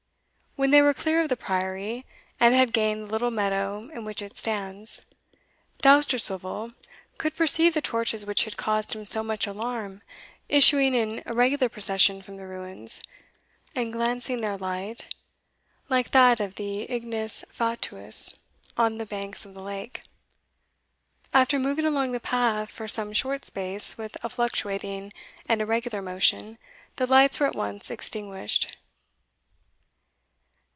When they were clear of the priory, and had gained the little meadow in which it stands, Dousterswivel could perceive the torches which had caused him so much alarm issuing in irregular procession from the ruins, and glancing their light, like that of the ignis fatuus, on the banks of the lake. After moving along the path for some short space with a fluctuating and irregular motion, the lights were at once extinguished.